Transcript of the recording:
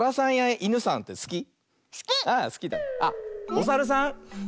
おさるさん